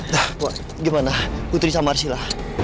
wah wak gimana putri sama arshila